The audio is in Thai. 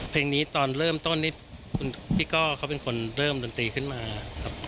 เพลงนี้ตอนเริ่มต้นนี่คุณพี่ก้อเขาเป็นคนเริ่มดนตรีขึ้นมาครับ